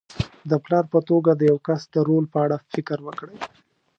د پلار په توګه د یوه کس د رول په اړه فکر وکړئ.